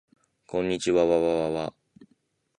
こんにちわわわわ